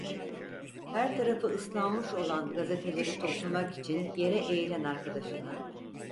Her tarafı ıslanmış olan gazeteleri toplamak için yere eğilen arkadaşına: